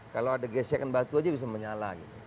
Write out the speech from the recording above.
kalau ada gesekan batu aja bisa menyala